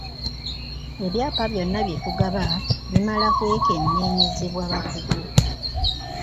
Ebyapa byonna bye tugaba bimala kwekenneenyezebwa bakugu.